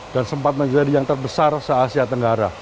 dan sempat menjadi yang terbesar se asia tenggara